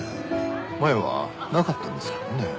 前はなかったんですけどもね。